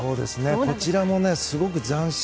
こちらもすごく斬新。